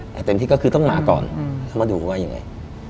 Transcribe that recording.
แต่เต็มที่ก็คือต้องมาก่อนมาดูว่าอย่างไร